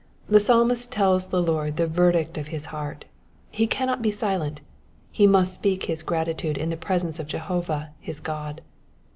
The Psalmist tells the Lord the verdict of his heart ; he cannot be silent, he must speak his gratitude in the presence of Jehovah, his God.